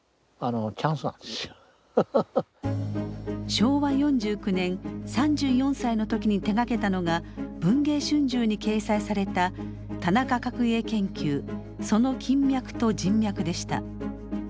昭和４９年３４歳の時に手がけたのが「文藝春秋」に掲載された「田中角栄研究その金脈と人脈」でした。